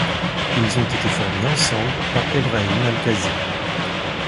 Ils ont été formés ensemble par Ebrahim Alkazi.